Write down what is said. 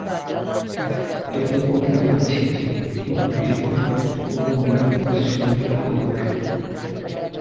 তবে কথিত আছে যে এটি মসজিদের কোন নির্মাণ শ্রমিকের কবর।